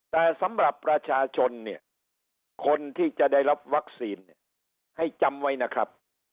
แต่สำหรับประชาชนเนี่ยคนที่จะได้รับวัคซีนเนี่ยให้จำไว้นะครับ